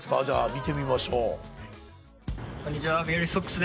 じゃあ見てみましょう。